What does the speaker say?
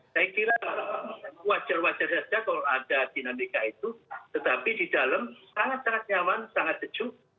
saya kira wajar wajar saja kalau ada dinamika itu tetapi di dalam sangat sangat nyaman sangat sejuk